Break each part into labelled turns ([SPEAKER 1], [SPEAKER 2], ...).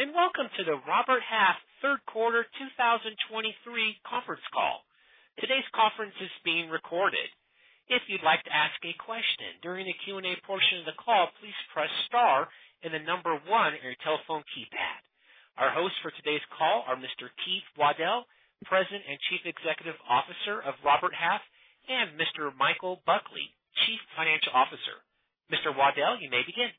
[SPEAKER 1] Welcome to the Robert Half Q3 2023 Conference Call. Today's conference is being recorded. If you'd like to ask a question during the Q&A portion of the call, please press star and the number 1 on your telephone keypad. Our hosts for today's call are Mr. Keith Waddell, President and Chief Executive Officer of Robert Half, and Mr. Michael Buckley, Chief Financial Officer. Mr. Waddell, you may begin.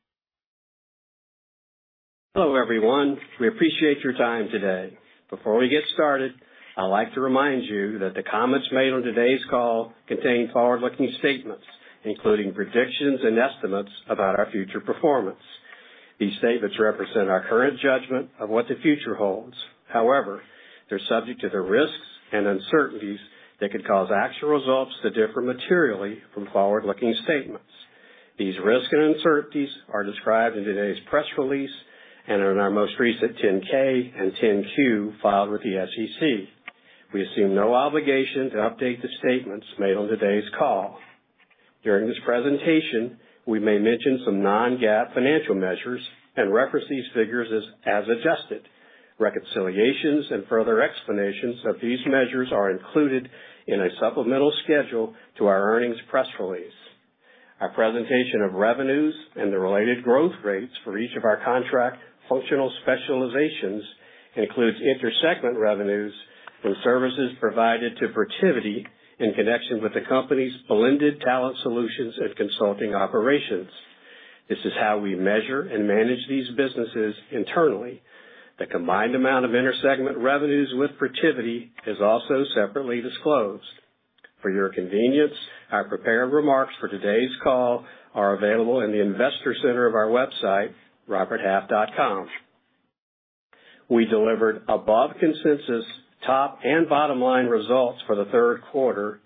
[SPEAKER 2] Hello, everyone. We appreciate your time today. Before we get started, I'd like to remind you that the comments made on today's call contain forward-looking statements, including predictions and estimates about our future performance. These statements represent our current judgment of what the future holds. However, they're subject to the risks and uncertainties that could cause actual results to differ materially from forward-looking statements. These risks and uncertainties are described in today's press release and in our most recent 10-K and 10-Q filed with the SEC. We assume no obligation to update the statements made on today's call. During this presentation, we may mention some non-GAAP financial measures and reference these figures as adjusted. Reconciliations and further explanations of these measures are included in a supplemental schedule to our earnings press release. Our presentation of revenues and the related growth rates for each of our contract functional specializations includes inter-segment revenues from services provided to Protiviti in connection with the company's blended Talent Solutions and consulting operations. This is how we measure and manage these businesses internally. The combined amount of inter-segment revenues with Protiviti is also separately disclosed. For your convenience, our prepared remarks for today's call are available in the investor center of our website, roberthalf.com. We delivered above consensus, top and bottom line results for the Q3,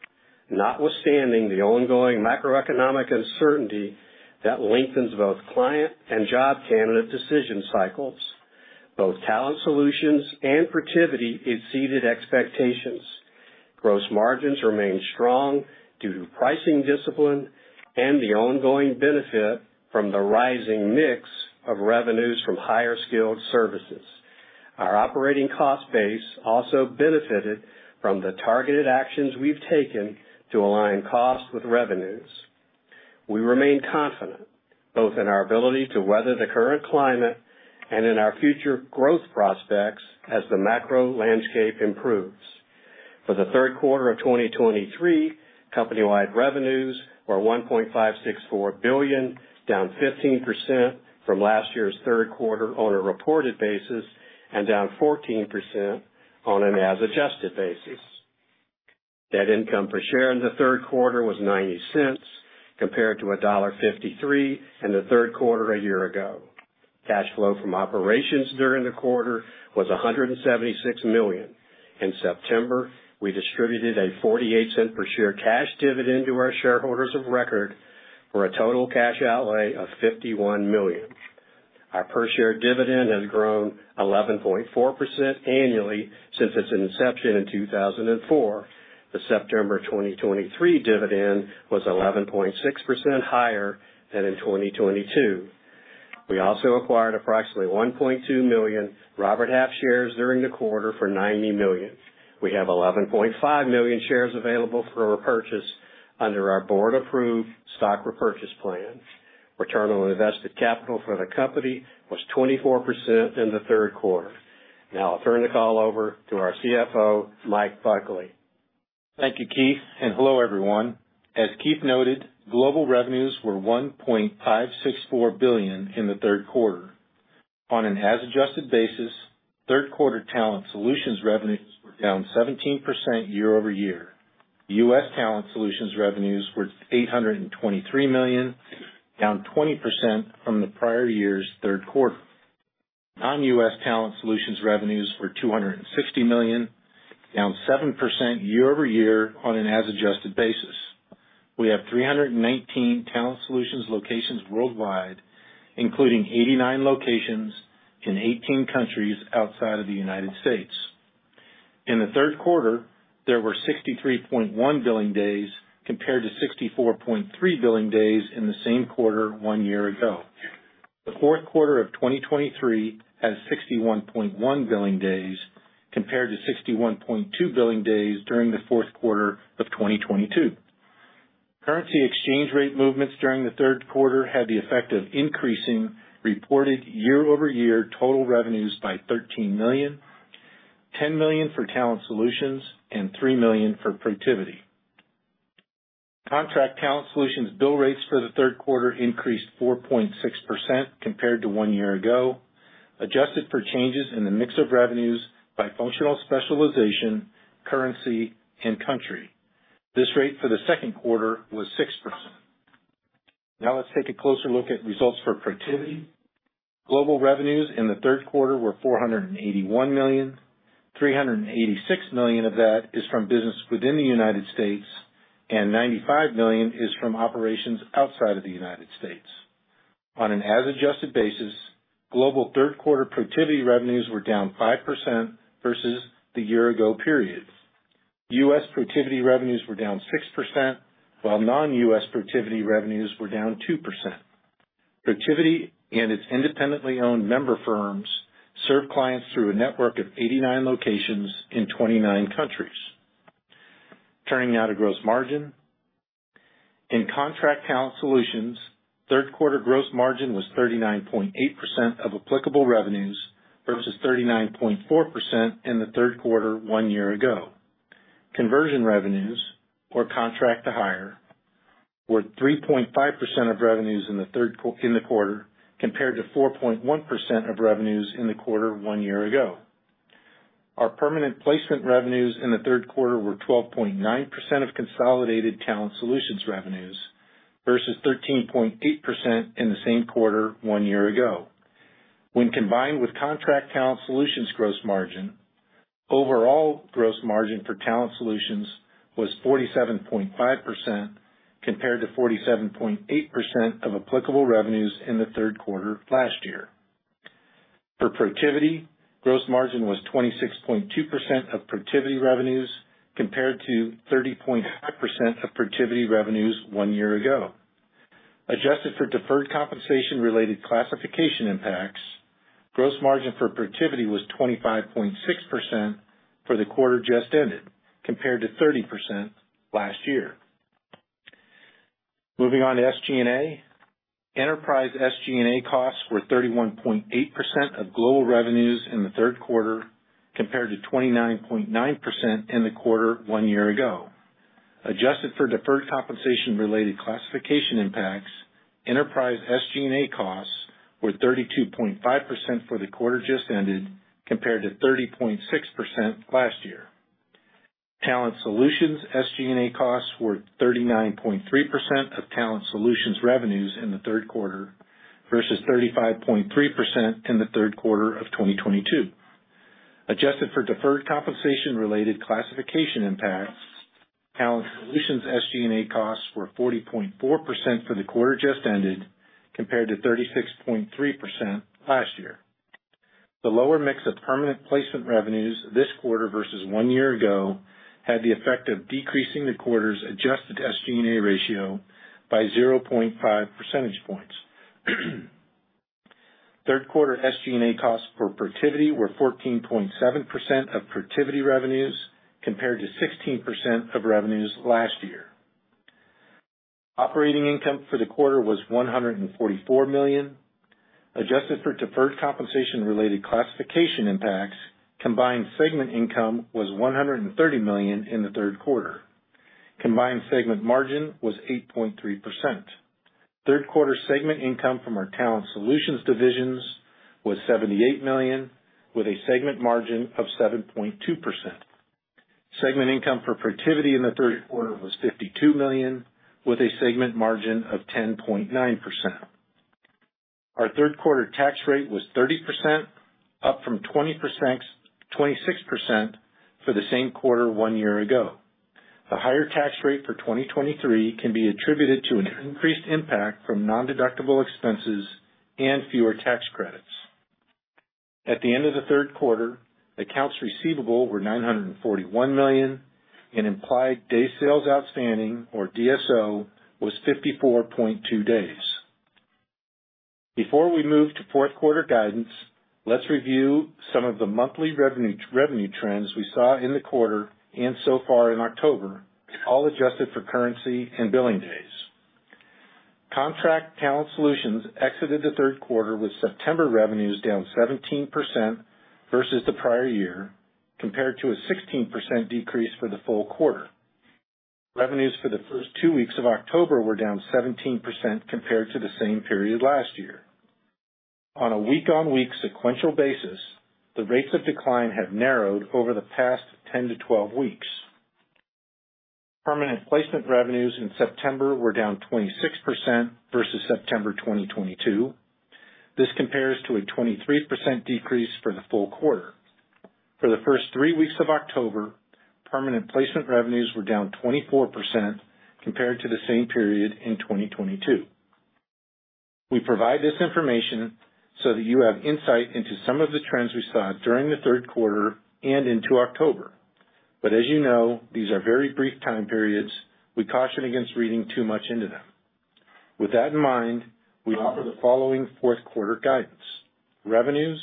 [SPEAKER 2] notwithstanding the ongoing macroeconomic uncertainty that lengthens both client and job candidate decision cycles. Both Talent Solutions and Protiviti exceeded expectations. Gross margins remained strong due to pricing discipline and the ongoing benefit from the rising mix of revenues from higher skilled services. Our operating cost base also benefited from the targeted actions we've taken to align costs with revenues. We remain confident both in our ability to weather the current climate and in our future growth prospects as the macro landscape improves. For the Q3 of 2023, company-wide revenues were $1.564 billion, down 15% from last year's Q3 on a reported basis, and down 14% on an as adjusted basis. Net income per share in the Q3 was $0.90, compared to $1.53 in the Q3 a year ago. Cash flow from operations during the quarter was $176 million. In September, we distributed a 48-cent per share cash dividend to our shareholders of record for a total cash outlay of $51 million. Our per share dividend has grown 11.4% annually since its inception in 2004. The September 2023 dividend was 11.6% higher than in 2022. We also acquired approximately 1.2 million Robert Half shares during the quarter for $90 million. We have 11.5 million shares available for repurchase under our board-approved stock repurchase plan. Return on invested capital for the company was 24% in the Q3. Now I'll turn the call over to our CFO, Mike Buckley.
[SPEAKER 3] Thank you, Keith, and hello, everyone. As Keith noted, global revenues were $1.564 billion in the Q3. On an as adjusted basis, Q3 Talent Solutions revenues were down 17% year-over-year. US Talent Solutions revenues were $823 million, down 20% from the prior year's Q3. Non-US Talent Solutions revenues were $260 million, down 7% year-over-year on an as adjusted basis. We have 319 Talent Solutions locations worldwide, including 89 locations in 18 countries outside of the United States. In the Q3, there were 63.1 billing days, compared to 64.3 billing days in the same quarter one year ago. The Q4 of 2023 has 61.1 billing days, compared to 61.2 billing days during the Q4 of 2022. Currency exchange rate movements during the Q3 had the effect of increasing reported year-over-year total revenues by $13 million, $10 million for Talent Solutions and $3 million for Protiviti. Contract Talent Solutions bill rates for the Q3 increased 4.6% compared to one year ago, adjusted for changes in the mix of revenues by functional specialization, currency, and country. This rate for the Q2 was 6%. Now let's take a closer look at results for Protiviti. Global revenues in the Q3 were $481 million. $386 million of that is from business within the United States, and $95 million is from operations outside of the United States. On an as adjusted basis, global Q3 Protiviti revenues were down 5% versus the year ago period. US Protiviti revenues were down 6%, while non-US Protiviti revenues were down 2%. Protiviti and its independently owned member firms serve clients through a network of 89 locations in 29 countries. Turning now to gross margin. In Contract Talent Solutions, Q3 gross margin was 39.8% of applicable revenues, versus 39.4% in the Q3 one year ago. Conversion revenues, or contract to hire, were 3.5% of revenues in the Q3, compared to 4.1% of revenues in the quarter one year ago. Our Permanent Placement revenues in the Q3 were 12.9% of consolidated Talent Solutions revenues, versus 13.8% in the same quarter one year ago. When combined with contract Talent Solutions gross margin, overall gross margin for Talent Solutions was 47.5%, compared to 47.8% of applicable revenues in the Q3 last year. For Protiviti, gross margin was 26.2% of Protiviti revenues, compared to 30.5% of Protiviti revenues one year ago. Adjusted for deferred compensation related classification impacts, gross margin for Protiviti was 25.6% for the quarter just ended, compared to 30% last year. Moving on to SG&A. Enterprise SG&A costs were 31.8% of global revenues in the Q3, compared to 29.9% in the quarter one year ago. Adjusted for deferred compensation-related classification impacts, enterprise SG&A costs were 32.5% for the quarter just ended, compared to 30.6% last year. Talent Solutions SG&A costs were 39.3% of Talent Solutions revenues in the Q3, versus 35.3% in the Q3 of 2022. Adjusted for deferred compensation-related classification impacts, Talent Solutions SG&A costs were 40.4% for the quarter just ended, compared to 36.3% last year. The lower mix of Permanent Placement revenues this quarter versus one year ago, had the effect of decreasing the quarter's adjusted SG&A ratio by 0.5 percentage points. Q3 SG&A costs for Protiviti were 14.7% of Protiviti revenues, compared to 16% of revenues last year. Operating income for the quarter was $144 million. Adjusted for deferred compensation-related classification impacts, combined segment income was $130 million in the Q3. Combined segment margin was 8.3%. Q3 segment income from our Talent Solutions divisions was $78 million, with a segment margin of 7.2%. Segment income for Protiviti in the Q3 was $52 million, with a segment margin of 10.9%. Our Q3 tax rate was 30%, up from 20%-26% for the same quarter one year ago. The higher tax rate for 2023 can be attributed to an increased impact from nondeductible expenses and fewer tax credits. At the end of the Q3, accounts receivable were $941 million, and implied days sales outstanding, or DSO, was 54.2 days. Before we move to Q4 guidance, let's review some of the monthly revenue, revenue trends we saw in the quarter and so far in October, all adjusted for currency and billing days. Contract Talent Solutions exited the Q3 with September revenues down 17% versus the prior year, compared to a 16% decrease for the full quarter. Revenues for the first two weeks of October were down 17% compared to the same period last year. On a week-on-week sequential basis, the rates of decline have narrowed over the past 10-12 weeks. Permanent placement revenues in September were down 26% versus September 2022. This compares to a 23% decrease for the full quarter. For the first three weeks of October, Permanent Placement revenues were down 24% compared to the same period in 2022. We provide this information so that you have insight into some of the trends we saw during the Q3 and into October. But as you know, these are very brief time periods. We caution against reading too much into them. With that in mind, we offer the following Q4 guidance. Revenues: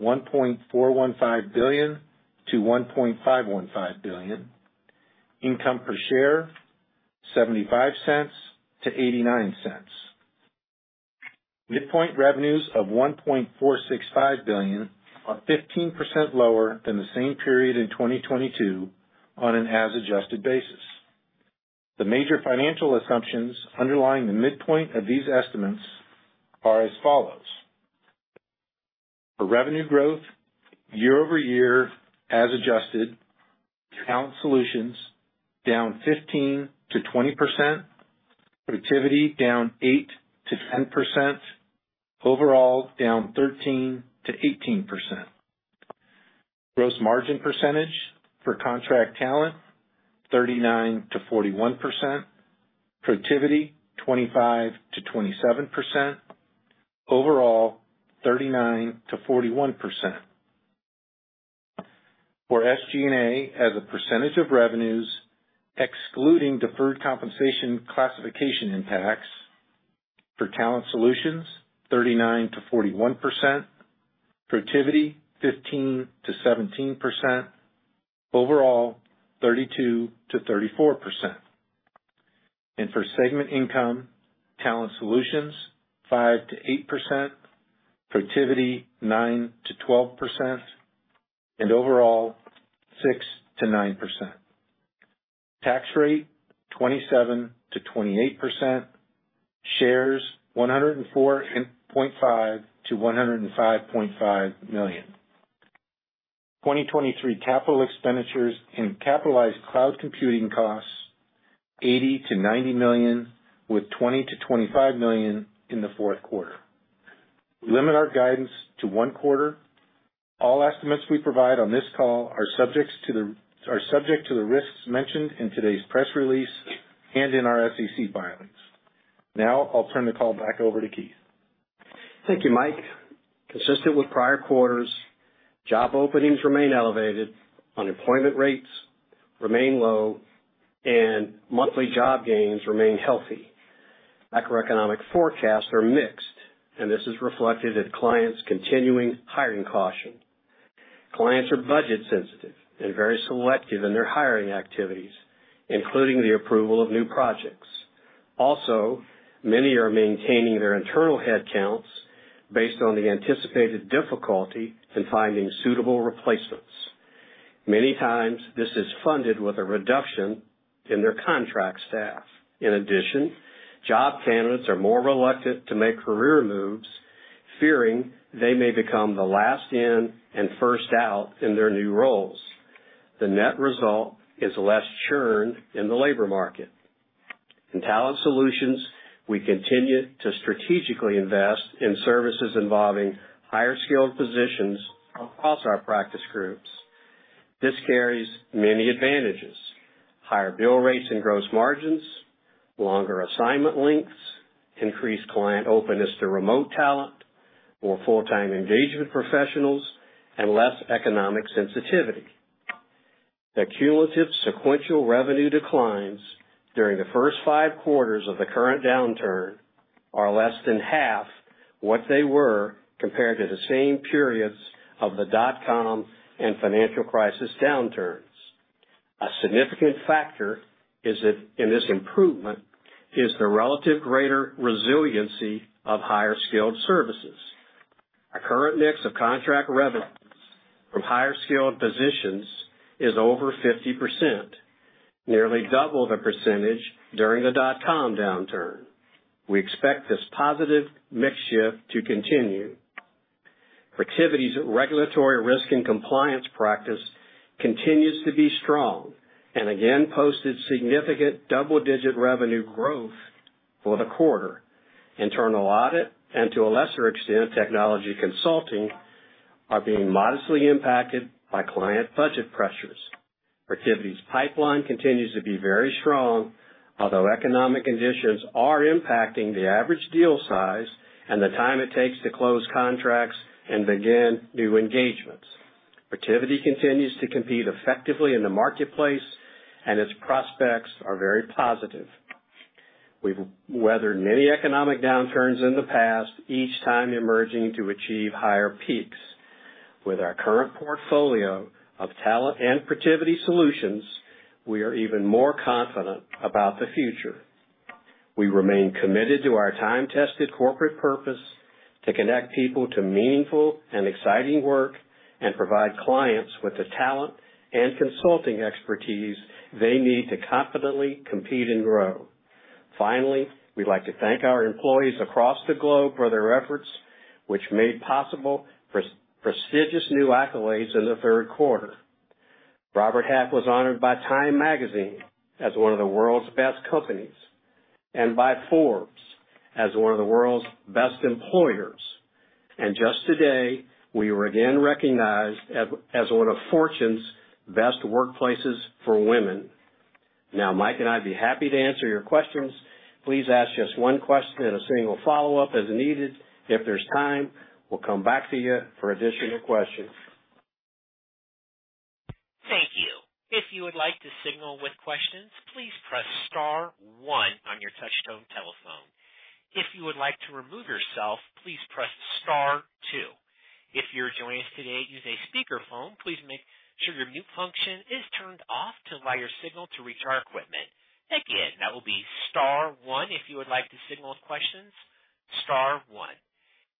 [SPEAKER 3] $1.415 billion-$1.515 billion. Income per share: $0.75-$0.89. Midpoint revenues of $1.465 billion are 15% lower than the same period in 2022 on an as adjusted basis. The major financial assumptions underlying the midpoint of these estimates are as follows: For revenue growth, year over year, as adjusted, Talent Solutions down 15%-20%, Protiviti down 8%-10%, overall down 13%-18%. Gross margin percentage for Contract Talent, 39%-41%, Protiviti, 25%-27%.... overall, 39%-41%. For SG&A, as a percentage of revenues, excluding deferred compensation classification impacts, for Talent Solutions, 39%-41%, Protiviti, 15%-17%, overall, 32%-34%. And for segment income, Talent Solutions, 5%-8%, Protiviti, 9%-12%, and overall, 6%-9%. Tax rate, 27%-28%. Shares, 104.5-105.5 million. 2023 capital expenditures and capitalized cloud computing costs, $80-90 million, with $20-25 million in the Q3. We limit our guidance to Q1. All estimates we provide on this call are subject to the risks mentioned in today's press release and in our SEC filings. Now I'll turn the call back over to Keith.
[SPEAKER 2] Thank you, Mike. Consistent with prior quarters, job openings remain elevated, unemployment rates remain low, and monthly job gains remain healthy. Macroeconomic forecasts are mixed, and this is reflected in clients continuing hiring caution. Clients are budget sensitive and very selective in their hiring activities, including the approval of new projects. Also, many are maintaining their internal headcounts based on the anticipated difficulty in finding suitable replacements. Many times this is funded with a reduction in their contract staff. In addition, job candidates are more reluctant to make career moves, fearing they may become the last in and first out in their new roles. The net result is less churn in the labor market. In Talent Solutions, we continue to strategically invest in services involving higher skilled positions across our practice groups. This carries many advantages: higher bill rates and gross margins, longer assignment lengths, increased client openness to remote talent, more full-time engagement professionals, and less economic sensitivity. The cumulative sequential revenue declines during the first five quarters of the current downturn are less than half what they were compared to the same periods of the dot-com and financial crisis downturns. A significant factor is that, in this improvement, is the relative greater resiliency of higher skilled services. Our current mix of contract revenues from higher skilled positions is over 50%, nearly double the percentage during the dot-com downturn. We expect this positive mix shift to continue. Protiviti's regulatory risk and compliance practice continues to be strong and again, posted significant double-digit revenue growth for the quarter. Internal audit, and to a lesser extent, technology consulting, are being modestly impacted by client budget pressures. Protiviti's pipeline continues to be very strong, although economic conditions are impacting the average deal size and the time it takes to close contracts and begin new engagements. Protiviti continues to compete effectively in the marketplace, and its prospects are very positive. We've weathered many economic downturns in the past, each time emerging to achieve higher peaks. With our current portfolio of talent and Protiviti solutions, we are even more confident about the future. We remain committed to our time-tested corporate purpose to connect people to meaningful and exciting work and provide clients with the talent and consulting expertise they need to confidently compete and grow. Finally, we'd like to thank our employees across the globe for their efforts, which made possible prestigious new accolades in the Q3. Robert Half was honored by Time Magazine as one of the World's Best Companies and by Forbes as one of the World's Best Employers. Just today, we were again recognized as one of Fortune's Best Workplaces for Women. Now Mike and I'd be happy to answer your questions. Please ask just one question and a single follow-up as needed. If there's time, we'll come back to you for additional questions.
[SPEAKER 1] Thank you. If you would like to signal with questions, please press star one on your touch-tone telephone. If you would like to remove yourself, please press star two. If you're joining us today using a speakerphone, please make sure your mute function is turned off to allow your signal to reach our equipment. Again, that will be star one if you would like to signal with questions, star one.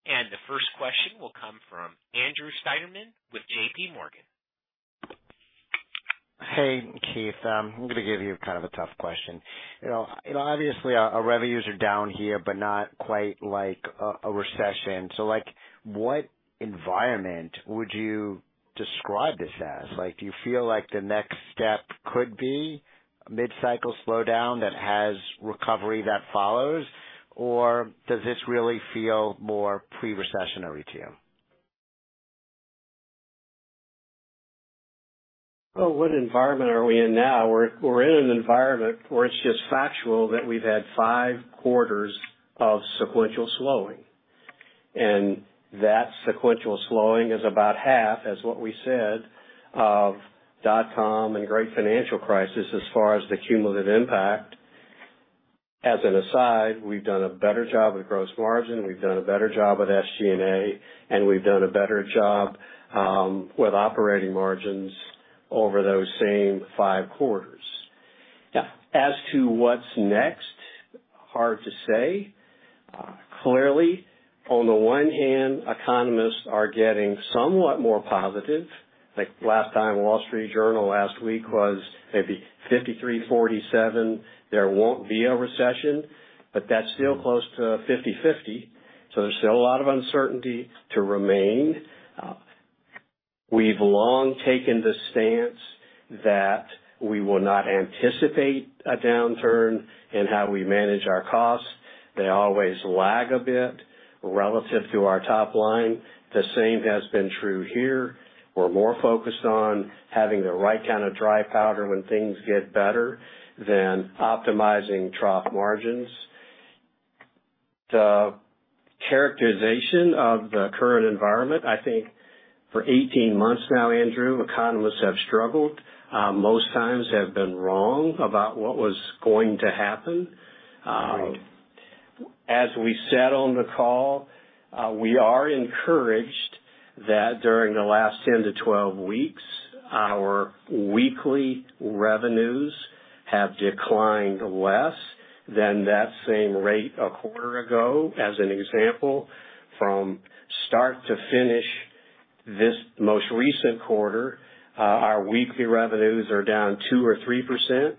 [SPEAKER 1] And the first question will come from Andrew Steinerman with J.P. Morgan.
[SPEAKER 4] Hey, Keith, I'm going to give you kind of a tough question. You know, you know, obviously our, our revenues are down here, but not quite like a, a recession. So, like, what environment would you describe this as? Like, do you feel like the next step could be a mid-cycle slowdown that has recovery that follows? Or does this really feel more pre-recessionary to you?
[SPEAKER 2] Well, what environment are we in now? We're, we're in an environment where it's just factual that we've had 5 quarters of sequential slowing, and that sequential slowing is about half as what we said of dot-com and Great Financial Crisis as far as the cumulative impact. As an aside, we've done a better job with gross margin, we've done a better job with SG&A, and we've done a better job with operating margins over those same 5 quarters. Now, as to what's next, hard to say. Clearly, on the one hand, economists are getting somewhat more positive. Like last time, Wall Street Journal last week was maybe 53-47, there won't be a recession, but that's still close to 50/50, so there's still a lot of uncertainty to remain. We've long taken the stance that we will not anticipate a downturn in how we manage our costs. They always lag a bit relative to our top line. The same has been true here. We're more focused on having the right kind of dry powder when things get better than optimizing trough margins. The characterization of the current environment, I think for 18 months now, Andrew, economists have struggled, most times have been wrong about what was going to happen. As we said on the call, we are encouraged that during the last 10-12 weeks, our weekly revenues have declined less than that same rate a quarter ago. As an example, from start to finish, this most recent quarter, our weekly revenues are down 2%-3%.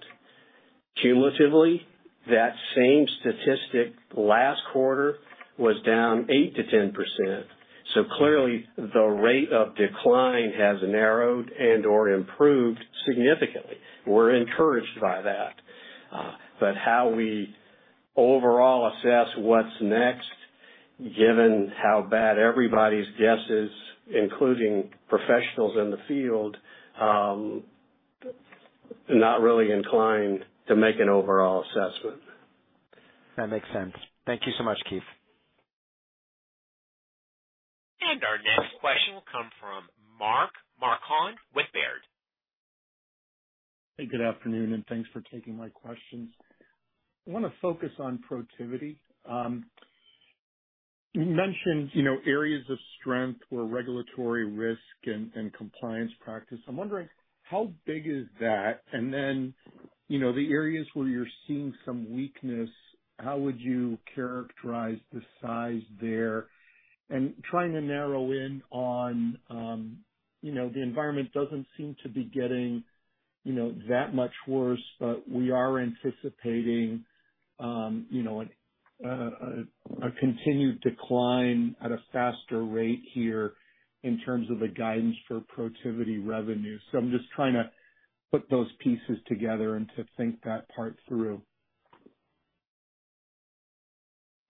[SPEAKER 2] Cumulatively, that same statistic last quarter was down 8%-10%. So clearly, the rate of decline has narrowed and/or improved significantly. We're encouraged by that. But how we overall assess what's next, given how bad everybody's guess is, including professionals in the field, not really inclined to make an overall assessment.
[SPEAKER 4] That makes sense. Thank you so much, Keith.
[SPEAKER 1] Our next question will come from Mark Marcon with Baird.
[SPEAKER 5] Hey, good afternoon, and thanks for taking my questions. I want to focus on Protiviti. You mentioned, you know, areas of strength or regulatory risk and compliance practice. I'm wondering: how big is that? And then, you know, the areas where you're seeing some weakness, how would you characterize the size there? And trying to narrow in on, you know, the environment doesn't seem to be getting, you know, that much worse, but we are anticipating, you know, a continued decline at a faster rate here in terms of the guidance for Protiviti revenue. So I'm just trying to put those pieces together and to think that part through.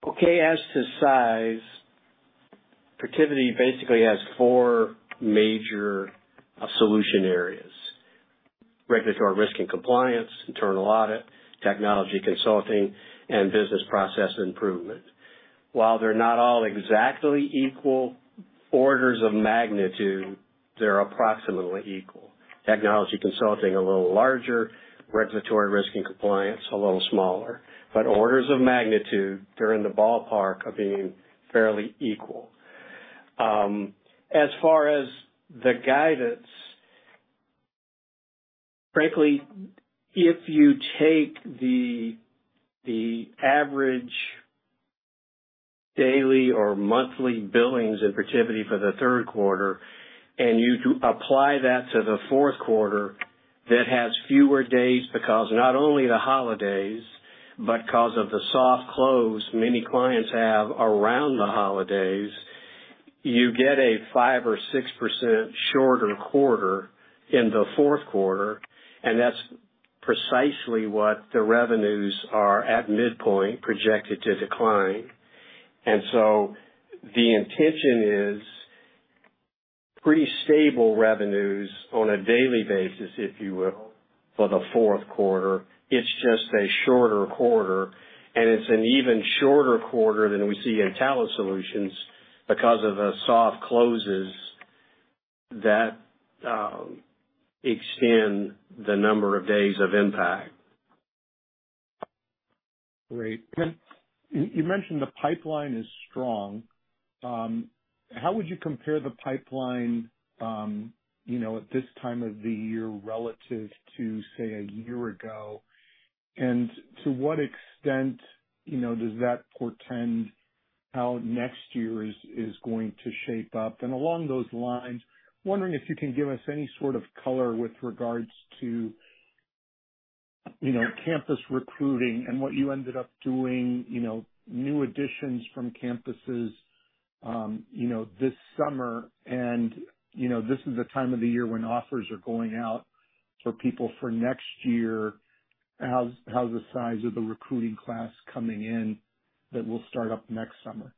[SPEAKER 2] Okay, as to size, Protiviti basically has four major solution areas: regulatory risk and compliance, internal audit, technology consulting, and business process improvement. While they're not all exactly equal orders of magnitude, they're approximately equal. Technology consulting, a little larger. Regulatory risk and compliance, a little smaller. But orders of magnitude, they're in the ballpark of being fairly equal. As far as the guidance, frankly, if you take the average daily or monthly billings in Protiviti for the Q3, and you apply that to the Q4, that has fewer days because not only the holidays, but because of the soft close many clients have around the holidays, you get a 5% or 6% shorter quarter in the Q4, and that's precisely what the revenues are at midpoint projected to decline. And so the intention is pretty stable revenues on a daily basis, if you will, for the Q4. It's just a shorter quarter, and it's an even shorter quarter than we see in Talent Solutions because of the soft closes that extend the number of days of impact.
[SPEAKER 5] Great. Then, you mentioned the pipeline is strong. How would you compare the pipeline, you know, at this time of the year relative to, say, a year ago? And to what extent, you know, does that portend how next year is going to shape up? And along those lines, wondering if you can give us any sort of color with regards to, you know, campus recruiting and what you ended up doing, you know, new additions from campuses, you know, this summer, and, you know, this is the time of the year when offers are going out for people for next year. How's the size of the recruiting class coming in that will start up next summer?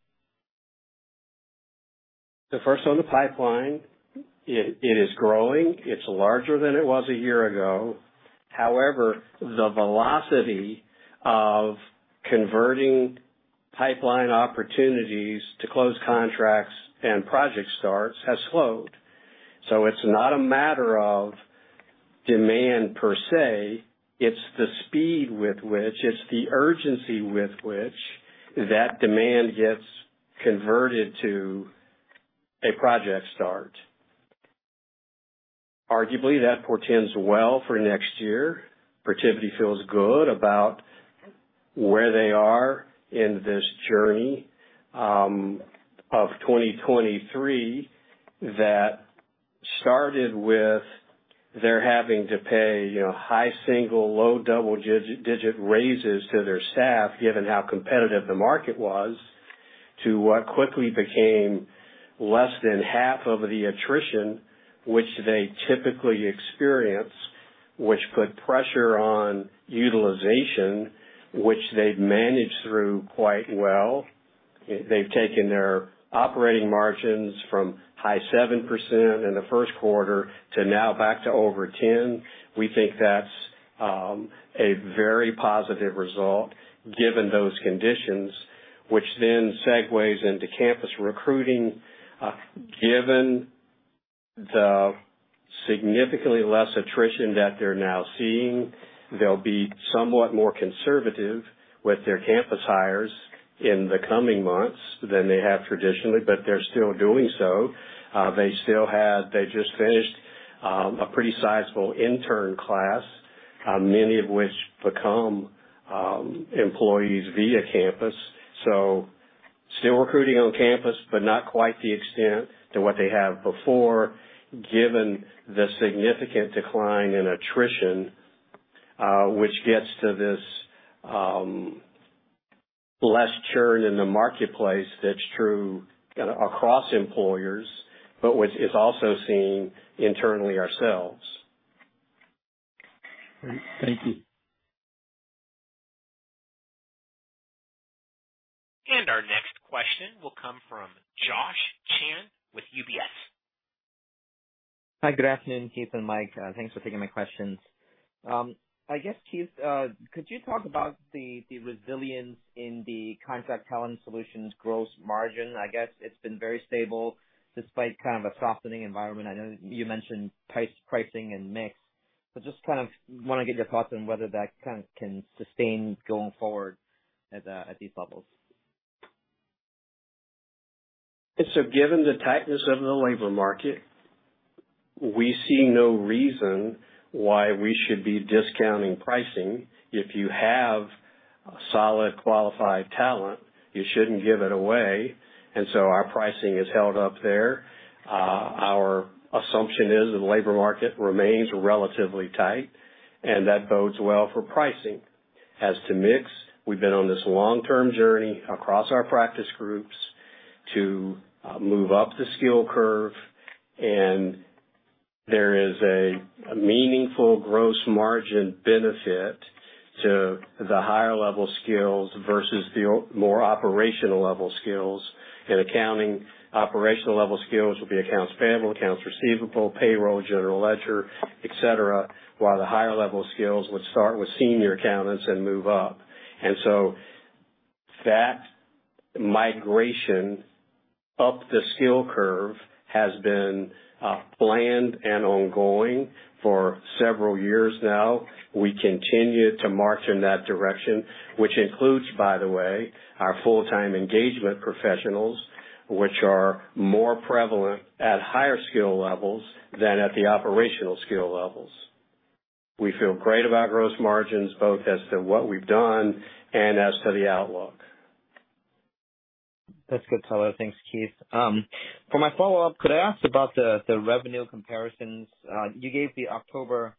[SPEAKER 2] So first on the pipeline, it is growing. It's larger than it was a year ago. However, the velocity of converting pipeline opportunities to close contracts and project starts has slowed. So it's not a matter of demand per se, it's the speed with which, it's the urgency with which that demand gets converted to a project start. Arguably, that portends well for next year. Protiviti feels good about where they are in this journey of 2023. That started with their having to pay, you know, high single- to low double-digit raises to their staff, given how competitive the market was, to what quickly became less than half of the attrition which they typically experience, which put pressure on utilization, which they've managed through quite well. They've taken their operating margins from high 7% in the Q1 to now back to over 10%. We think that's a very positive result, given those conditions, which then segues into campus recruiting. Given the significantly less attrition that they're now seeing, they'll be somewhat more conservative with their campus hires in the coming months than they have traditionally, but they're still doing so. They just finished a pretty sizable intern class, many of which become employees via campus. So still recruiting on campus, but not quite the extent to what they have before, given the significant decline in attrition, which gets to this less churn in the marketplace. That's true across employers, but which is also seen internally ourselves.
[SPEAKER 6] Great. Thank you.
[SPEAKER 1] Our next question will come from Josh Chan with UBS.
[SPEAKER 6] Hi, good afternoon, Keith and Mike. Thanks for taking my questions. I guess, Keith, could you talk about the resilience in the contract talent solutions gross margin? I guess it's been very stable despite kind of a softening environment. I know you mentioned price, pricing and mix, but just kind of want to get your thoughts on whether that kind of can sustain going forward at these levels.
[SPEAKER 2] Given the tightness of the labor market, we see no reason why we should be discounting pricing. If you have a solid, qualified talent, you shouldn't give it away, and so our pricing has held up there. Our assumption is the labor market remains relatively tight, and that bodes well for pricing. As to mix, we've been on this long-term journey across our practice groups to move up the skill curve, and there is a meaningful gross margin benefit to the higher-level skills versus the more operational level skills. In accounting, operational level skills will be accounts payable, accounts receivable, payroll, general ledger, et cetera, while the higher level skills would start with senior accountants and move up. That migration up the skill curve has been planned and ongoing for several years now. We continue to march in that direction, which includes, by the way, our full-time engagement professionals, which are more prevalent at higher skill levels than at the operational skill levels. We feel great about gross margins, both as to what we've done and as to the outlook.
[SPEAKER 6] That's good color. Thanks, Keith. For my follow-up, could I ask about the revenue comparisons? You gave the October,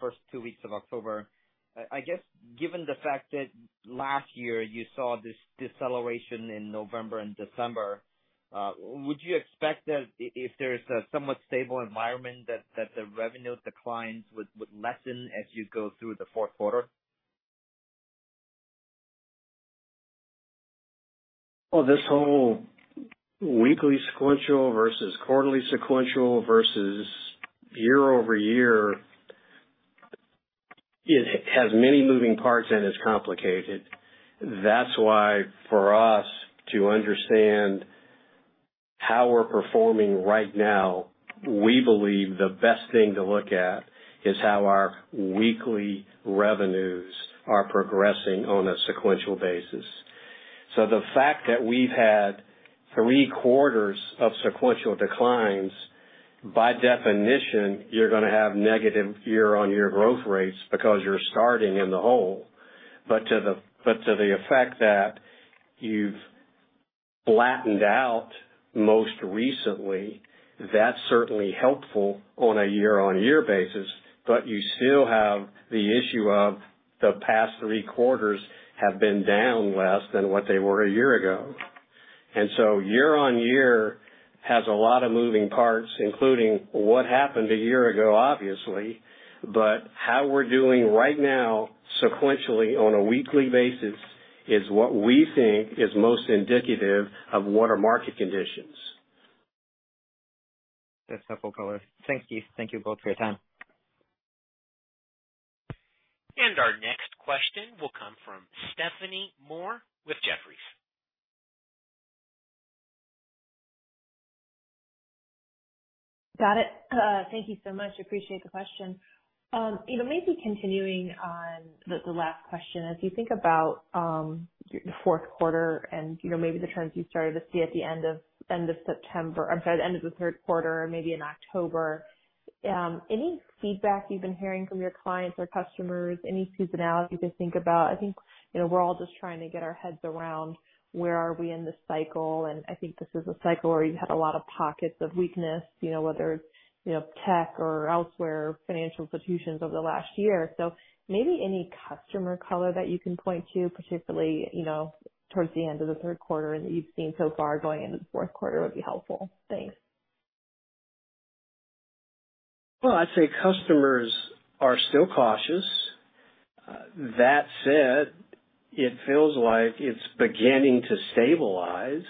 [SPEAKER 6] first two weeks of October. I guess, given the fact that last year you saw this deceleration in November and December, would you expect that if there is a somewhat stable environment, that the revenue declines would lessen as you go through the Q4?
[SPEAKER 2] Well, this whole weekly sequential versus quarterly sequential versus year-over-year, it has many moving parts, and it's complicated. That's why for us to understand how we're performing right now, we believe the best thing to look at is how our weekly revenues are progressing on a sequential basis. So the fact that we've had Q3 of sequential declines, by definition, you're going to have negative year-over-year growth rates because you're starting in the hole. But to the, but to the effect that you've flattened out most recently, that's certainly helpful on a year-over-year basis. But you still have the issue of the past Q3 have been down less than what they were a year ago, and so year-over-year... has a lot of moving parts, including what happened a year ago, obviously. How we're doing right now sequentially on a weekly basis is what we think is most indicative of what are market conditions.
[SPEAKER 6] That's helpful color. Thank you. Thank you both for your time.
[SPEAKER 1] Our next question will come from Stephanie Moore with Jefferies.
[SPEAKER 7] Got it. Thank you so much. Appreciate the question. You know, maybe continuing on the last question. As you think about the Q4 and, you know, maybe the trends you started to see at the end of September—I'm sorry, the end of the Q3, maybe in October, any feedback you've been hearing from your clients or customers, any seasonality to think about? I think, you know, we're all just trying to get our heads around where are we in this cycle, and I think this is a cycle where you had a lot of pockets of weakness, you know, whether it's, you know, tech or elsewhere, financial institutions over the last year. Maybe any customer color that you can point to, particularly, you know, towards the end of the Q3 and that you've seen so far going into the Q4 would be helpful. Thanks.
[SPEAKER 2] Well, I'd say customers are still cautious. That said, it feels like it's beginning to stabilize.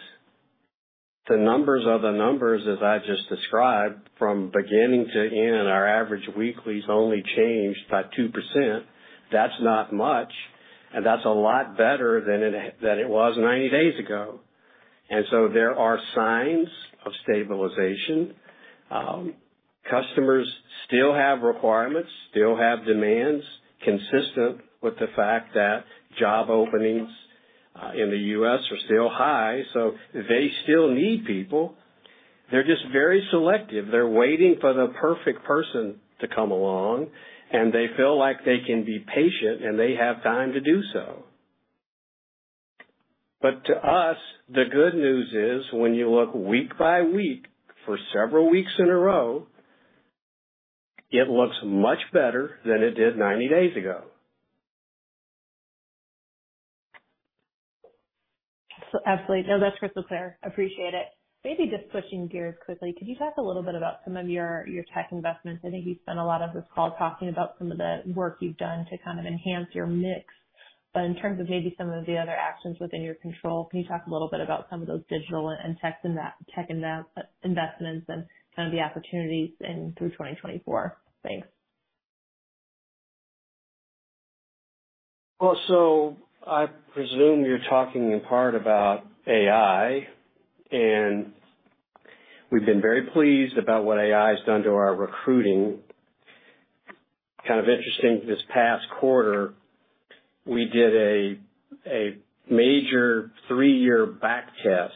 [SPEAKER 2] The numbers are the numbers, as I just described, from beginning to end, our average weekly has only changed by 2%. That's not much, and that's a lot better than it was 90 days ago. So there are signs of stabilization. Customers still have requirements, still have demands consistent with the fact that job openings in the U.S. are still high, so they still need people. They're just very selective. They're waiting for the perfect person to come along, and they feel like they can be patient, and they have time to do so. But to us, the good news is when you look week by week for several weeks in a row, it looks much better than it did 90 days ago.
[SPEAKER 7] Absolutely. No, that's crystal clear. Appreciate it. Maybe just switching gears quickly, could you talk a little bit about some of your tech investments? I think you've spent a lot of this call talking about some of the work you've done to kind of enhance your mix. But in terms of maybe some of the other actions within your control, can you talk a little bit about some of those digital and tech investments and kind of the opportunities through 2024? Thanks.
[SPEAKER 2] Well, so I presume you're talking in part about AI, and we've been very pleased about what AI has done to our recruiting. Kind of interesting, this past quarter, we did a major 3-year back test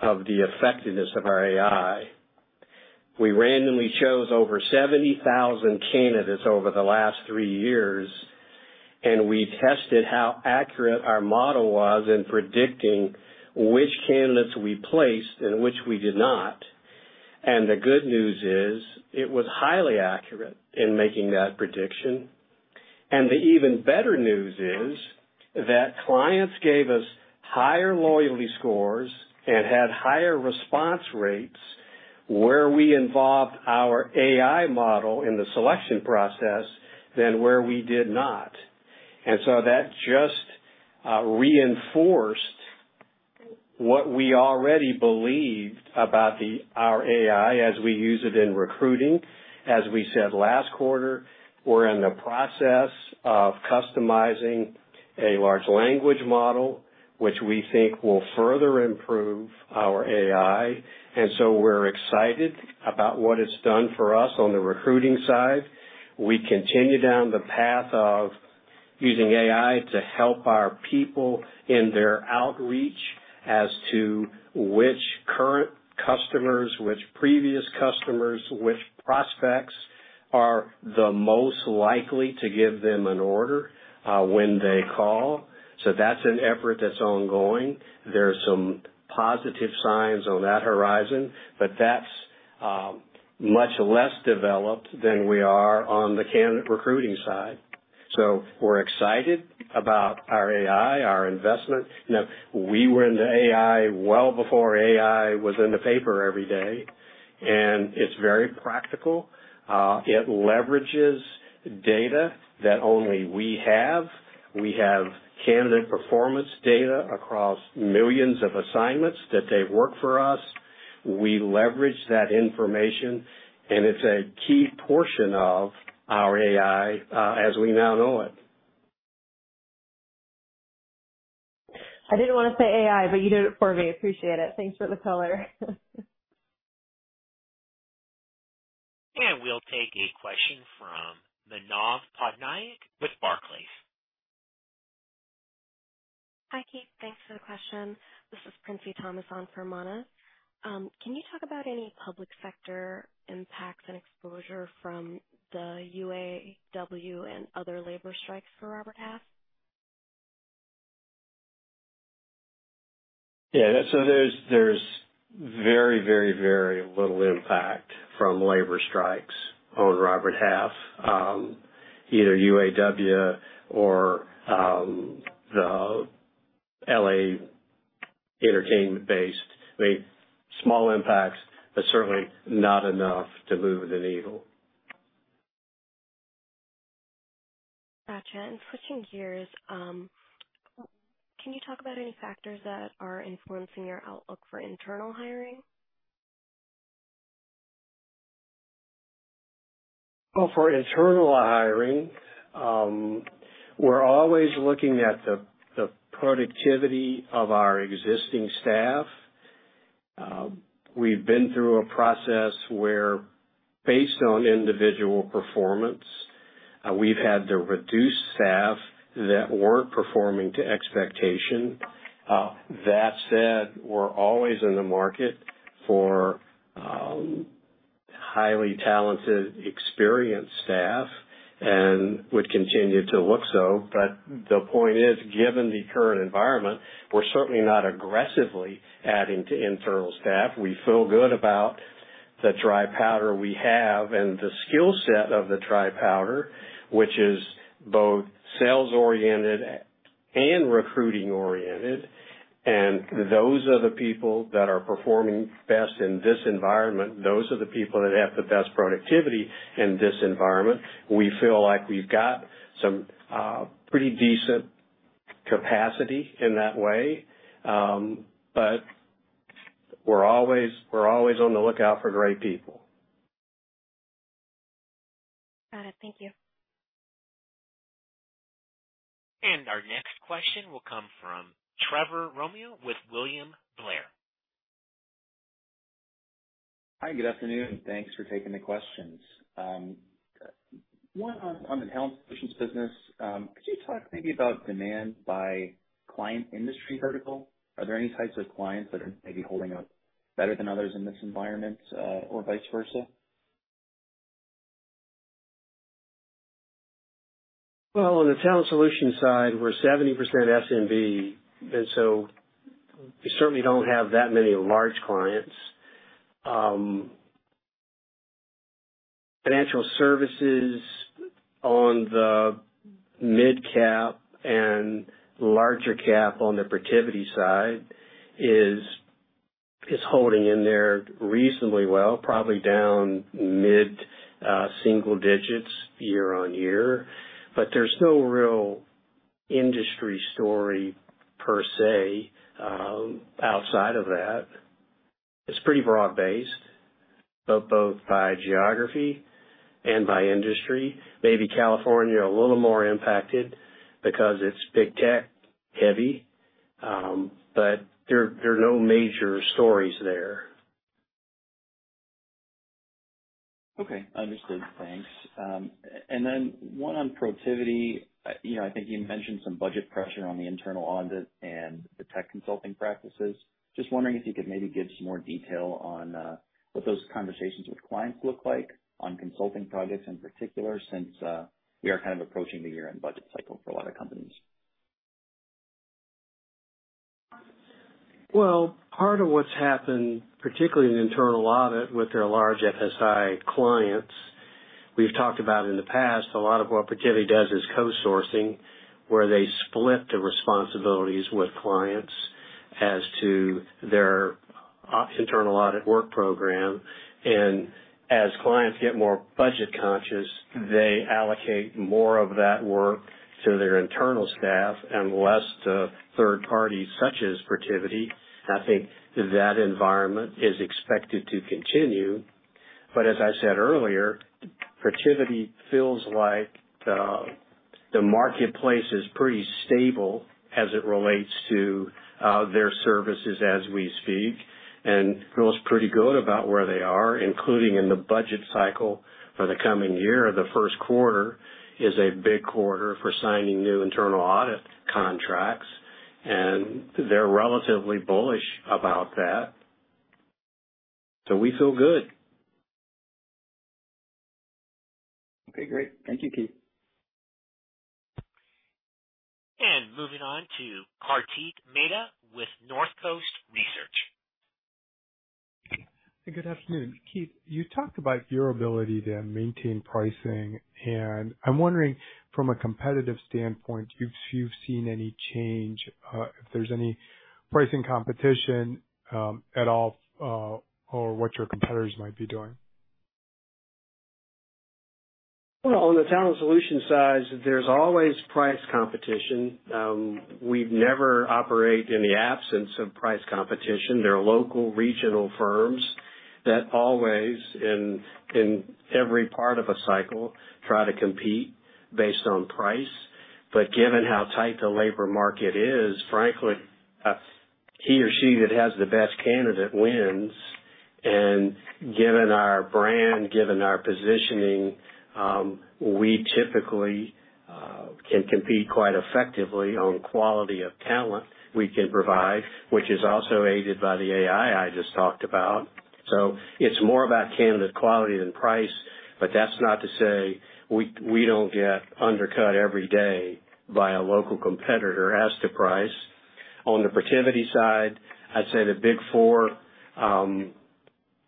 [SPEAKER 2] of the effectiveness of our AI. We randomly chose over 70,000 candidates over the last 3 years, and we tested how accurate our model was in predicting which candidates we placed and which we did not. And the good news is it was highly accurate in making that prediction. And the even better news is that clients gave us higher loyalty scores and had higher response rates where we involved our AI model in the selection process than where we did not. And so that just reinforced what we already believed about our AI as we use it in recruiting. As we said last quarter, we're in the process of customizing a large language model, which we think will further improve our AI. And so we're excited about what it's done for us on the recruiting side. We continue down the path of using AI to help our people in their outreach as to which current customers, which previous customers, which prospects are the most likely to give them an order, when they call. So that's an effort that's ongoing. There are some positive signs on that horizon, but that's much less developed than we are on the candidate recruiting side. So we're excited about our AI, our investment. You know, we were into AI well before AI was in the paper every day, and it's very practical. It leverages data that only we have. We have candidate performance data across millions of assignments that they work for us. We leverage that information, and it's a key portion of our AI, as we now know it.
[SPEAKER 7] I didn't want to say AI, but you did it for me. Appreciate it. Thanks for the color.
[SPEAKER 1] We'll take a question from Manav Patnaik with Barclays.
[SPEAKER 8] Hi, Keith. Thanks for the question. This is Princy Thomas on for Manav. Can you talk about any public sector impacts and exposure from the UAW and other labor strikes for Robert Half?
[SPEAKER 2] Yeah, so there's very, very, very little impact from labor strikes on Robert Half. Either UAW or the L.A. entertainment-based. Made small impacts, but certainly not enough to move the needle.
[SPEAKER 8] Gotcha. Switching gears, can you talk about any factors that are influencing your outlook for internal hiring?
[SPEAKER 2] Well, for internal hiring, we're always looking at the productivity of our existing staff. We've been through a process where based on individual performance, we've had to reduce staff that weren't performing to expectation. That said, we're always in the market for highly talented, experienced staff and would continue to look so. But the point is, given the current environment, we're certainly not aggressively adding to internal staff. We feel good about the dry powder we have and the skill set of the dry powder, which is both sales-oriented and recruiting-oriented. And those are the people that are performing best in this environment. Those are the people that have the best productivity in this environment. We feel like we've got some pretty decent capacity in that way. But we're always on the lookout for great people.
[SPEAKER 8] Got it. Thank you.
[SPEAKER 1] Our next question will come from Trevor Romeo with William Blair.
[SPEAKER 9] Hi, good afternoon. Thanks for taking the questions. One on, on the Talent Solutions business. Could you talk maybe about demand by client industry vertical? Are there any types of clients that are maybe holding up better than others in this environment, or vice versa?
[SPEAKER 2] Well, on the talent solution side, we're 70% SMB, and so we certainly don't have that many large clients. Financial services on the mid-cap and larger cap on the Protiviti side is holding in there reasonably well, probably down mid-single digits year-on-year, but there's no real industry story per se. Outside of that, it's pretty broad-based, both by geography and by industry. Maybe California, a little more impacted because it's big tech heavy. But there are no major stories there.
[SPEAKER 9] Okay, understood. Thanks. And then one on Protiviti. You know, I think you mentioned some budget pressure on the internal audit and the tech consulting practices. Just wondering if you could maybe give some more detail on what those conversations with clients look like on consulting projects in particular, since we are kind of approaching the year-end budget cycle for a lot of companies.
[SPEAKER 2] Well, part of what's happened, particularly in internal audit with our large FSI clients, we've talked about in the past, a lot of what Protiviti does is co-sourcing, where they split the responsibilities with clients as to their internal audit work program. And as clients get more budget-conscious, they allocate more of that work to their internal staff and less to third parties such as Protiviti. I think that environment is expected to continue. But as I said earlier, Protiviti feels like the marketplace is pretty stable as it relates to their services as we speak, and feels pretty good about where they are, including in the budget cycle for the coming year. The Q1 is a big quarter for signing new internal audit contracts, and they're relatively bullish about that. So we feel good.
[SPEAKER 9] Okay, great. Thank you, Keith.
[SPEAKER 1] Moving on to Kartik Mehta with Northcoast Research.
[SPEAKER 10] Good afternoon. Keith, you talked about your ability to maintain pricing, and I'm wondering from a competitive standpoint, if you've seen any change, if there's any pricing competition, at all, or what your competitors might be doing?
[SPEAKER 2] Well, on the talent solution side, there's always price competition. We've never operate in the absence of price competition. There are local regional firms that always in every part of a cycle try to compete based on price. But given how tight the labor market is, frankly, he or she that has the best candidate wins. And given our brand, given our positioning, we typically can compete quite effectively on quality of talent we can provide, which is also aided by the AI I just talked about. So it's more about candidate quality than price. But that's not to say we don't get undercut every day by a local competitor as to price. On the Protiviti side, I'd say the Big Four...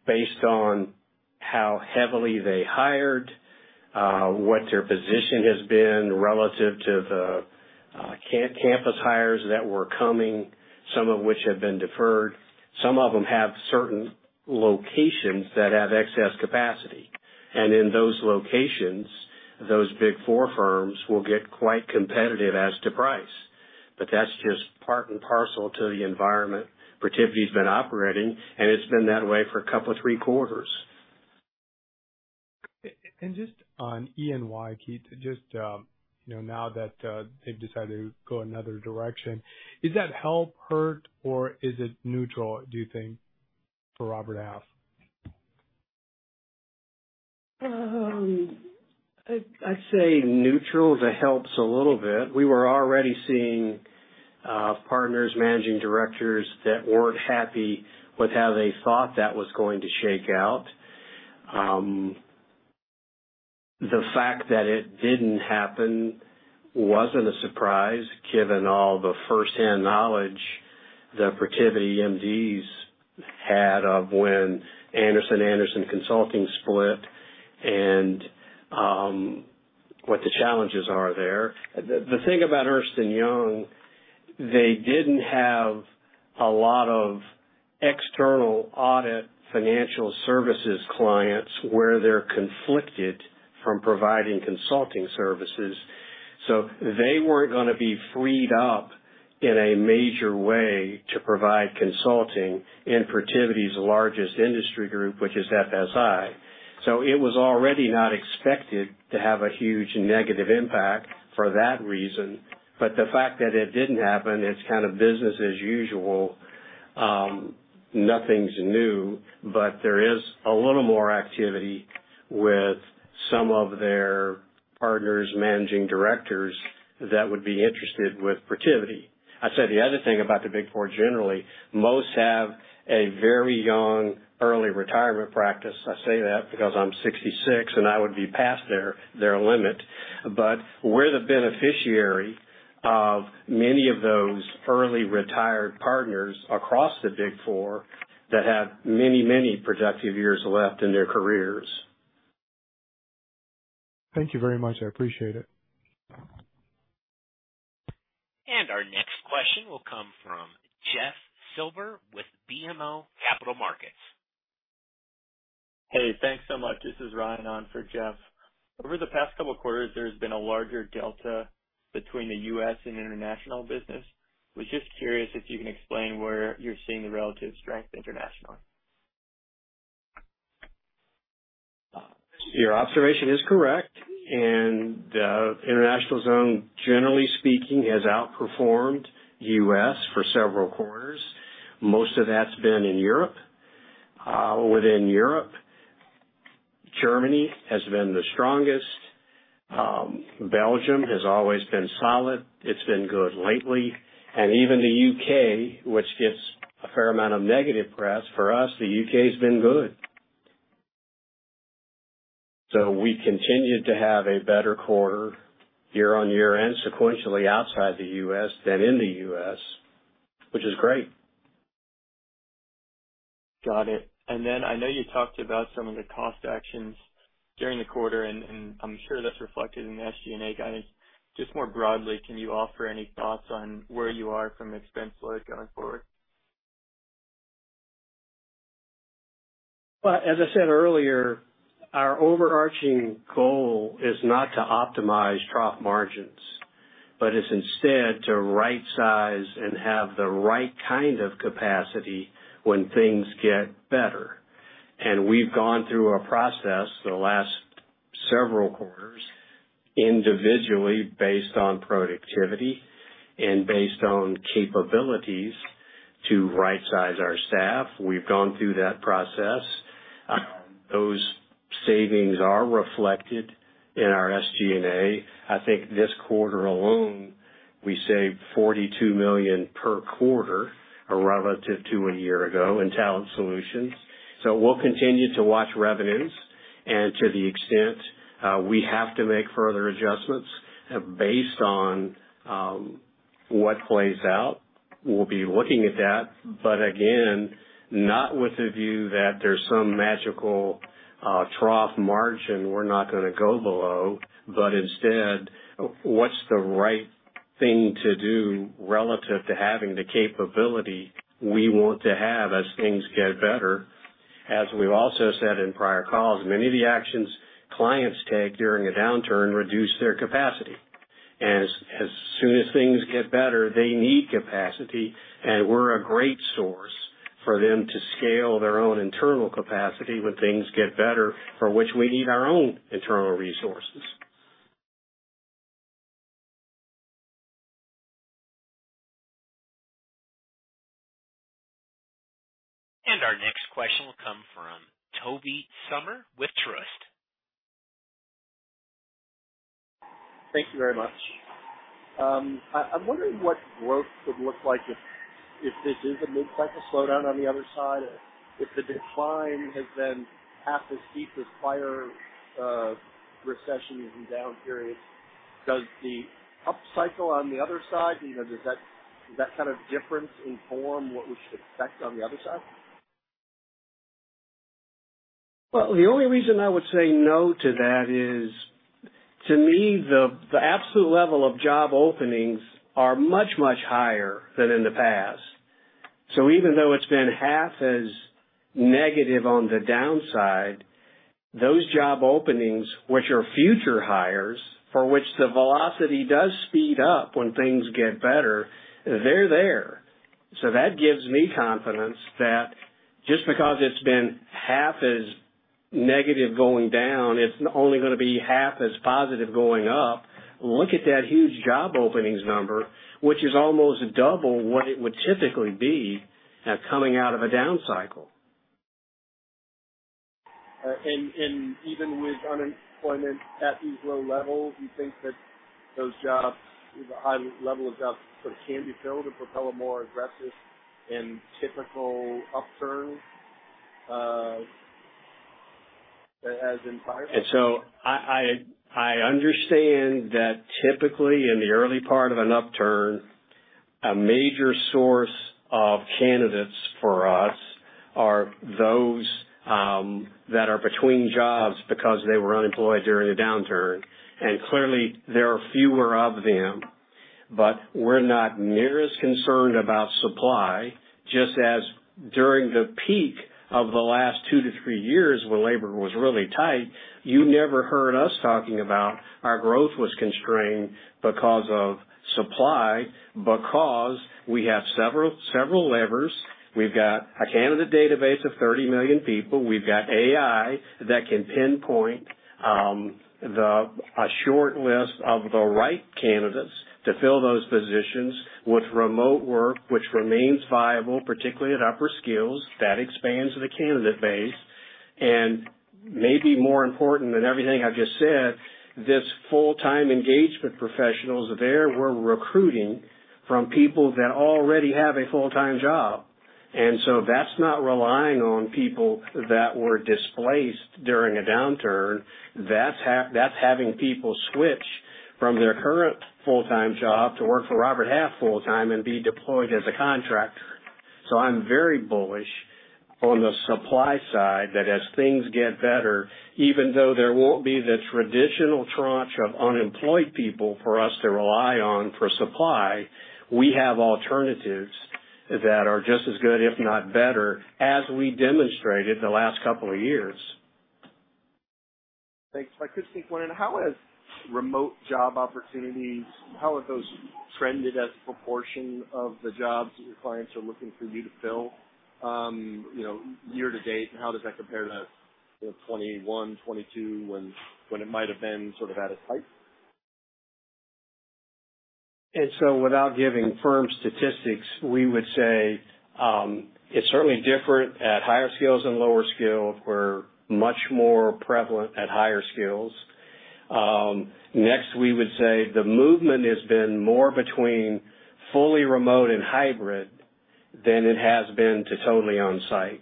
[SPEAKER 2] based on how heavily they hired, what their position has been relative to the campus hires that were coming, some of which have been deferred. Some of them have certain locations that have excess capacity, and in those locations, those Big Four firms will get quite competitive as to price. But that's just part and parcel to the environment Protiviti's been operating, and it's been that way for a couple of three quarters.
[SPEAKER 10] Just on EY, Keith, just, you know, now that they've decided to go another direction, does that help, hurt, or is it neutral, do you think, for Robert Half?
[SPEAKER 2] I'd say neutral. That helps a little bit. We were already seeing partners, managing directors that weren't happy with how they thought that was going to shake out. The fact that it didn't happen wasn't a surprise, given all the firsthand knowledge that Protiviti MDs had of when Arthur Andersen Consulting split and what the challenges are there. The thing about Ernst & Young, they didn't have a lot of external audit financial services clients where they're conflicted from providing consulting services, so they weren't gonna be freed up in a major way to provide consulting in Protiviti's largest industry group, which is FSI. So it was already not expected to have a huge negative impact for that reason, but the fact that it didn't happen, it's kind of business as usual. Nothing's new, but there is a little more activity with some of their partners, managing directors, that would be interested with Protiviti. I'd say the other thing about the Big Four generally, most have a very young, early retirement practice. I say that because I'm 66 and I would be past their limit. But we're the beneficiary of many of those early retired partners across the Big Four that have many, many productive years left in their careers.
[SPEAKER 10] Thank you very much. I appreciate it.
[SPEAKER 1] Our next question will come from Jeff Silber with BMO Capital Markets.
[SPEAKER 11] Hey, thanks so much. This is Ryan on for Jeff. Over the past couple quarters, there's been a larger delta between the U.S. and international business. Was just curious if you can explain where you're seeing the relative strength internationally?
[SPEAKER 2] Your observation is correct, and international zone, generally speaking, has outperformed U.S. for several quarters. Most of that's been in Europe. Within Europe, Germany has been the strongest. Belgium has always been solid. It's been good lately. And even the U.K., which gets a fair amount of negative press, for us, the U.K.'s been good. So we continued to have a better quarter year-over-year and sequentially outside the U.S. than in the U.S., which is great.
[SPEAKER 11] Got it. And then I know you talked about some of the cost actions during the quarter, and I'm sure that's reflected in the SG&A guidance. Just more broadly, can you offer any thoughts on where you are from an expense load going forward?
[SPEAKER 2] Well, as I said earlier, our overarching goal is not to optimize trough margins, but it's instead to rightsize and have the right kind of capacity when things get better. And we've gone through a process the last several quarters, individually, based on productivity and based on capabilities to rightsize our staff. We've gone through that process. Those savings are reflected in our SG&A. I think this quarter alone, we saved $42 million per quarter relative to a year ago in Talent Solutions. So we'll continue to watch revenues and to the extent we have to make further adjustments based on what plays out, we'll be looking at that. But again, not with the view that there's some magical, trough margin we're not gonna go below, but instead, what's the right thing to do relative to having the capability we want to have as things get better? As we've also said in prior calls, many of the actions clients take during a downturn reduce their capacity, and as soon as things get better, they need capacity, and we're a great source for them to scale their own internal capacity when things get better, for which we need our own internal resources.
[SPEAKER 1] Our next question will come from Tobey Sommer with Truist.
[SPEAKER 12] Thank you very much. I'm wondering what growth would look like if this is a mid-cycle slowdown on the other side, if the decline has been half as steep as prior recessions and down periods? Does the upcycle on the other side, you know, does that kind of difference inform what we should expect on the other side?
[SPEAKER 2] Well, the only reason I would say no to that is, to me, the absolute level of job openings are much, much higher than in the past. So even though it's been half as negative on the downside, those job openings, which are future hires, for which the velocity does speed up when things get better, they're there. So that gives me confidence that just because it's been half as negative going down, it's only going to be half as positive going up. Look at that huge job openings number, which is almost double what it would typically be, coming out of a down cycle.
[SPEAKER 12] Even with unemployment at these low levels, you think that those jobs, the high level of jobs, sort of can be filled to propel a more aggressive and typical upturn, that has been prior?
[SPEAKER 2] And so I understand that typically in the early part of an upturn, a major source of candidates for us are those that are between jobs because they were unemployed during a downturn, and clearly, there are fewer of them. But we're not near as concerned about supply, just as during the peak of the last 2-3 years when labor was really tight, you never heard us talking about our growth was constrained because of supply, because we have several levers. We've got a candidate database of 30 million people. We've got AI that can pinpoint a short list of the right candidates to fill those positions with remote work, which remains viable, particularly at upper skills. That expands the candidate base. Maybe more important than everything I've just said, these full-time engagement professionals, there we're recruiting from people that already have a full-time job, and so that's not relying on people that were displaced during a downturn. That's having people switch from their current full-time job to work for Robert Half full-time and be deployed as a contractor. So I'm very bullish on the supply side that as things get better, even though there won't be the traditional tranche of unemployed people for us to rely on for supply, we have alternatives that are just as good, if not better, as we demonstrated the last couple of years.
[SPEAKER 12] Thanks. I could see one, how has remote job opportunities, how have those trended as a proportion of the jobs that your clients are looking for you to fill, you know, year to date, and how does that compare to 2021, 2022, when it might have been sort of at its height?
[SPEAKER 2] Without giving firm statistics, we would say it's certainly different at higher skills and lower skill, where much more prevalent at higher skills. Next, we would say the movement has been more between fully remote and hybrid than it has been to totally on site.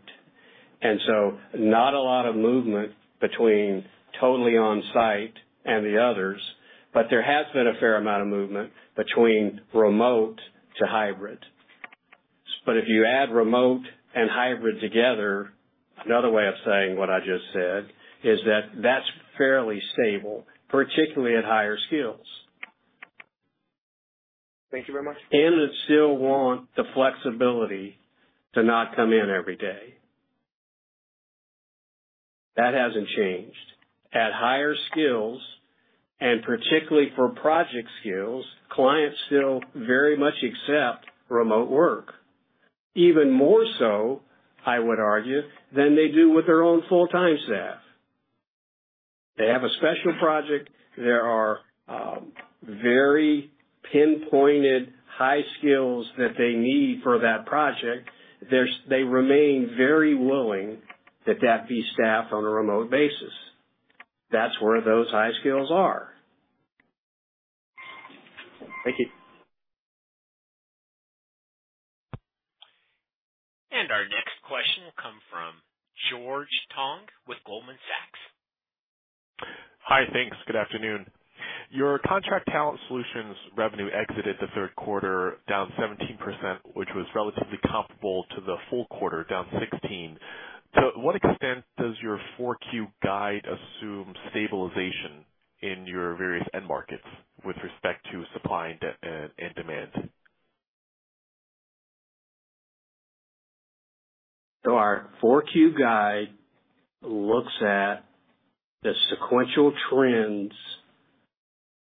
[SPEAKER 2] And so not a lot of movement between totally on site and the others, but there has been a fair amount of movement between remote to hybrid. But if you add remote and hybrid together, another way of saying what I just said is that that's fairly stable, particularly at higher skills.
[SPEAKER 12] Thank you very much.
[SPEAKER 2] They still want the flexibility to not come in every day. That hasn't changed. At higher skills, and particularly for project skills, clients still very much accept remote work. Even more so, I would argue, than they do with their own full-time staff. They have a special project. There are very pinpointed high skills that they need for that project. They remain very willing that, that be staffed on a remote basis. That's where those high skills are.
[SPEAKER 12] Thank you.
[SPEAKER 1] Our next question will come from George Tong with Goldman Sachs.
[SPEAKER 13] Hi, thanks. Good afternoon. Your Contract Talent Solutions revenue exited the Q3, down 17%, which was relatively comparable to the full quarter, down 16%. To what extent does your 4Q guide assume stabilization in your various end markets with respect to supply and demand?
[SPEAKER 2] So our 4Q guide looks at the sequential trends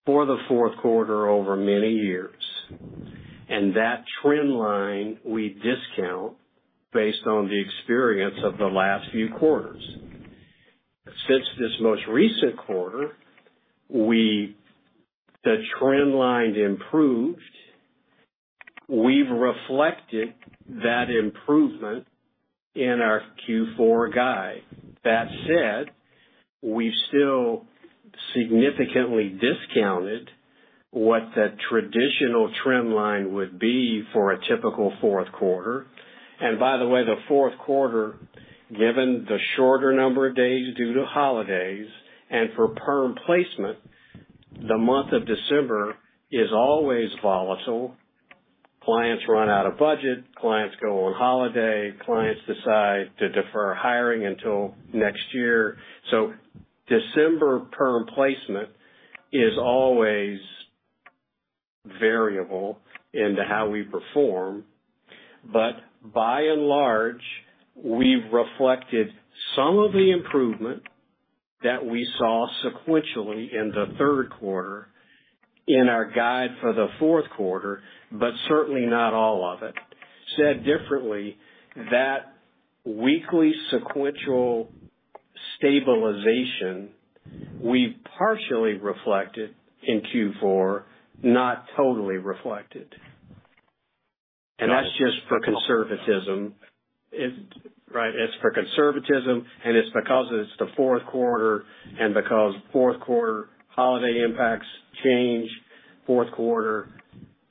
[SPEAKER 2] for the Q4 over many years, and that trend line we discount based on the experience of the last few quarters. Since this most recent quarter, the trend line improved. We've reflected that improvement in our Q4 guide. That said, we still significantly discounted what the traditional trend line would be for a typical Q4. And by the way, the Q4, given the shorter number of days due to holidays and for perm placement, the month of December is always volatile. Clients run out of budget. Clients go on holiday. Clients decide to defer hiring until next year. So December perm placement is always variable into how we perform. But by and large, we've reflected some of the improvement that we saw sequentially in the Q3 in our guide for the Q4, but certainly not all of it. Said differently, that weekly sequential stabilization we partially reflected in Q4, not totally reflected. And that's just for conservatism, right? It's for conservatism, and it's because it's the Q4 and because Q4 holiday impacts change, Q4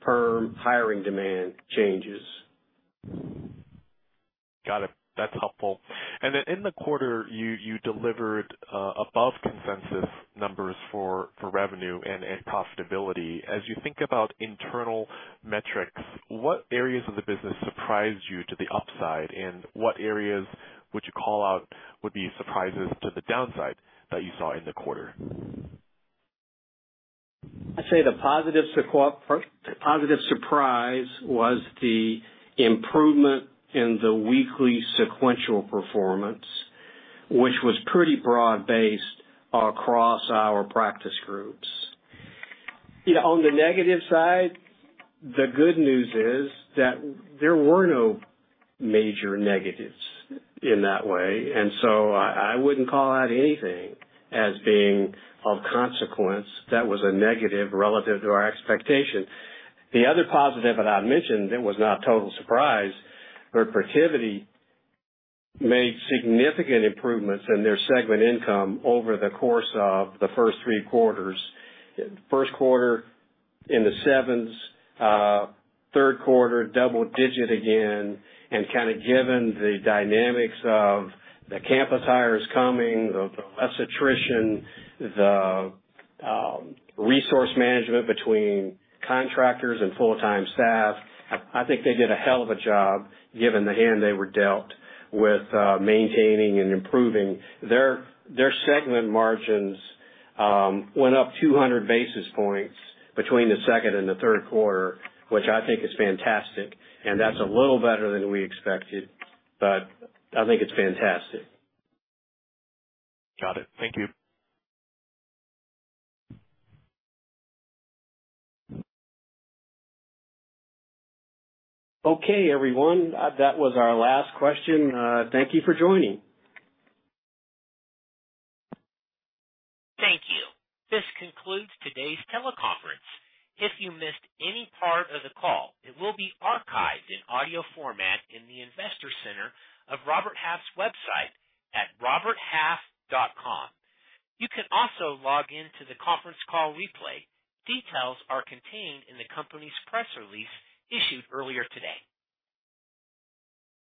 [SPEAKER 2] perm hiring demand changes.
[SPEAKER 13] Got it. That's helpful. And then in the quarter, you delivered above consensus numbers for revenue and profitability. As you think about internal metrics, what areas of the business surprised you to the upside, and what areas would you call out would be surprises to the downside that you saw in the quarter?
[SPEAKER 2] I'd say the positive surprise was the improvement in the weekly sequential performance, which was pretty broad-based across our practice groups. You know, on the negative side, the good news is that there were no major negatives in that way, and so I wouldn't call out anything as being of consequence. That was a negative relative to our expectation. The other positive that I mentioned, it was not a total surprise. Protiviti made significant improvements in their segment income over the course of the first Q3. Q1 in the sevens, Q3, double digit again, and kind of given the dynamics of the campus hires coming, the less attrition, the resource management between contractors and full-time staff, I think they did a hell of a job given the hand they were dealt with, maintaining and improving. Their segment margins went up 200 basis points between the second and the Q3, which I think is fantastic. And that's a little better than we expected, but I think it's fantastic.
[SPEAKER 13] Got it. Thank you.
[SPEAKER 2] Okay, everyone, that was our last question. Thank you for joining.
[SPEAKER 1] Thank you. This concludes today's teleconference. If you missed any part of the call, it will be archived in audio format in the Investor Center of Robert Half's website at roberthalf.com. You can also log in to the conference call replay. Details are contained in the company's press release issued earlier today.